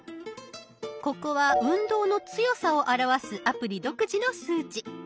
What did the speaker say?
ここは運動の強さを表すアプリ独自の数値。